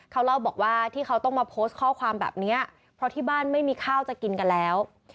เขาเล่าบอกว่าที่เขาต้องมาโพสต์ข้อความแบบนี้เพราะที่บ้านไม่มีข้าวจะกินกันแล้ว